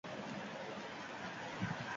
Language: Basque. Usaimena galtzen du baita ere.